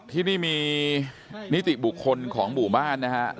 ที่นี่มีนิติบุคคลของหมู่บ้านนะครับ